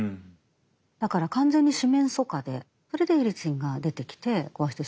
だから完全に四面楚歌でそれでエリツィンが出てきて壊してしまったと。